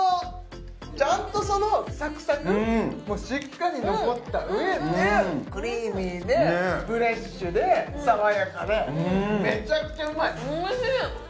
ちゃんとそのサクサクもしっかり残った上でクリーミーでフレッシュで爽やかでめちゃくちゃうまい！